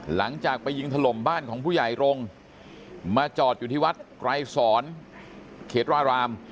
หลังจากไปยิงถล่มบ้านของผู้ใหญ่รงค์มาจอดอยู่ที่วัดไกรสอนเขตราราม